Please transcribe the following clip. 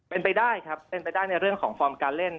เป็นไปได้ครับเป็นไปได้ในเรื่องของฟอร์มการเล่น